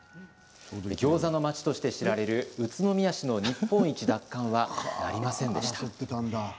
ギョーザの町として知られる宇都宮市の日本一奪還はなりませんでした。